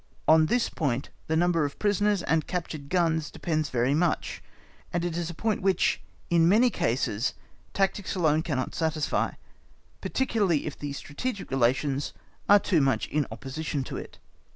On this point, the number of prisoners and captured guns depends very much, and it is a point which, in many cases, tactics alone cannot satisfy, particularly if the strategic relations are too much in opposition to it.